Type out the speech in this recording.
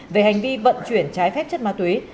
về hành vi vận chuyển trái phép chất ma túy